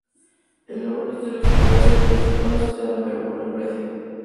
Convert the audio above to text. El hombre misterioso puede hacer que esas cosas sucedan, pero por un precio.